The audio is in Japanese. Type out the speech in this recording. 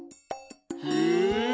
へえ。